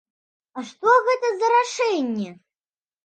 А што гэта за рашэнне?